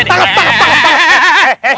tanggep tanggep tanggep